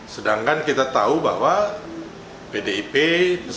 sedangkan kita tahu bahwa pdip serta pemilu